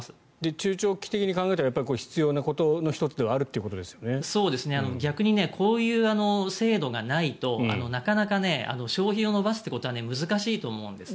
中長期的に考えたら必要なことの１つではある逆にこういう制度がないとなかなか消費を伸ばすというのは難しいと思うんですね。